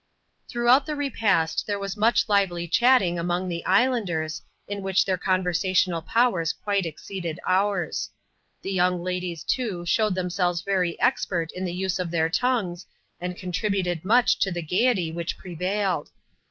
Throughout the repast there was much lively chatting am(»ig the islanders, in which their conversational powers quite ex ceeded ours. The young ladies, too, showed themselves very expert in the use of their tongues, and contributed much to the gaiety which prevailed.